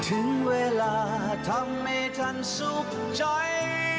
ถึงเวลาทำให้ท่านสุขใจ